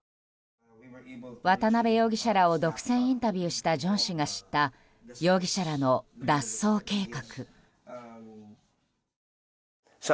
渡邉容疑者らを独占インタビューしたジョン氏が知った容疑者らの脱走計画。